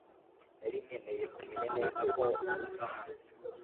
Nari nkeneye kumenya neza ko uza hano .